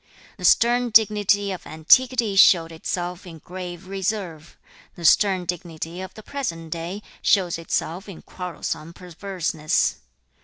The stern dignity of antiquity showed itself in grave reserve; the stern dignity of the present day shows itself in quarrelsome perverseness.